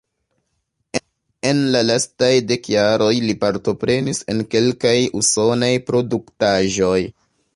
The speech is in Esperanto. En la lastaj dek jaroj li partoprenis en kelkaj usonaj produktaĵoj.